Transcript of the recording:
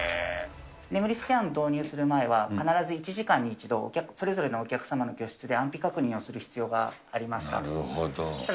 眠りスキャン導入する前は、必ず１時間に１度、それぞれのお客様の居室で安否確認をする必要がありました。